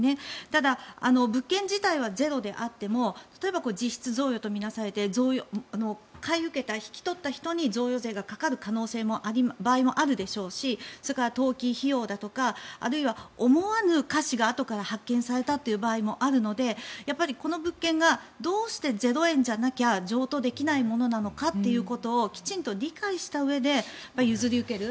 ただ、物件自体はゼロであっても例えば実質贈与と見なされて買い受けた引き取った人に贈与税がかかるそういう場合もあるでしょうし登記費用だとかあるいは思わぬ瑕疵があとから発見されたという場合もあるのでこの物件がどうして０円じゃなきゃ譲渡できないのかをきちんと理解したうえで譲り受ける。